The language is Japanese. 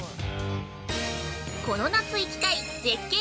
この夏行きたい絶景